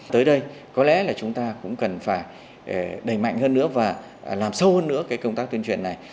tới đây có lẽ là chúng ta cũng cần phải đẩy mạnh hơn nữa và làm sâu hơn nữa cái công tác tuyên truyền này